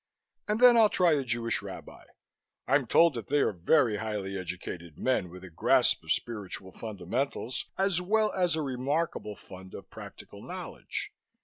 And then I'll try a Jewish Rabbi. I'm told that they are very highly educated men with a grasp of spiritual fundamentals as well as a remarkable fund of practical knowledge.